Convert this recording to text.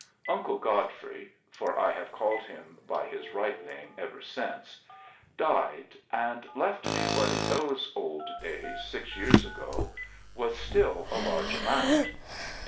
Uncle Godfrey (for I have called him by his right name ever since) died and left me what in those old days six years ago was still a large amount.